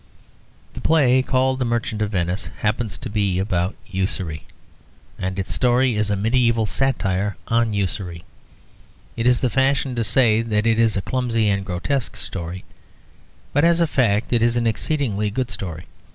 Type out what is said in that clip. The play called The Merchant of Venice happens to be about usury, and its story is a medieval satire on usury. It is the fashion to say that it is a clumsy and grotesque story; but as a fact it is an exceedingly good story.